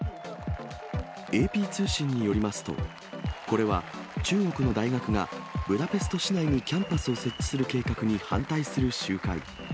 ＡＰ通信によりますと、これは、中国の大学がブダペスト市内にキャンパスを設置する計画に反対する集会。